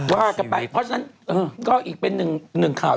ว่ากลับไปเพราะฉะนั้นก็อีกเป็น๑ข่าว